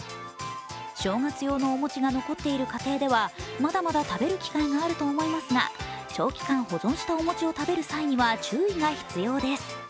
正月用のお餅が残っている家庭ではまだまだ食べる機会があると思いますが、長期間保存したお餅を食べる際には注意が必要です。